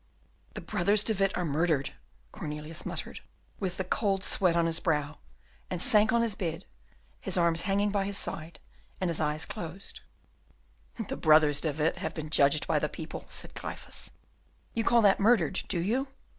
"The brothers De Witt are murdered!" Cornelius muttered, with the cold sweat on his brow, and sank on his bed, his arms hanging by his side, and his eyes closed. "The brothers De Witt have been judged by the people," said Gryphus; "you call that murdered, do you?